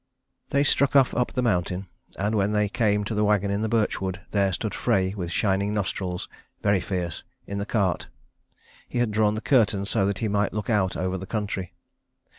They struck off up the mountain, and when they came to the wagon in the birch wood, there stood Frey with shining nostrils, very fierce, in the cart. He had drawn the curtains so that he might look out over the country.